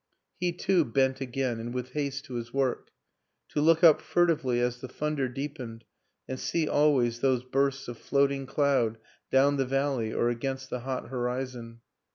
He, too, bent again and with haste to his work; to look up furtively as the thunder deepened and see always those bursts of floating cloud down the valley or against the hot horizon.